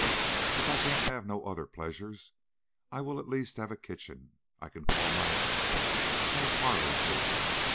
If I can't have no other pleasures, I will at least have a kitchen I can call my own, and a parlor too.